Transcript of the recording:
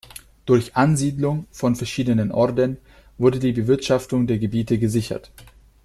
Durch Ansiedelung von verschiedenen Orden wurde die Bewirtschaftung der Gebiete gesichert.